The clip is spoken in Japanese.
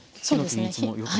そうですね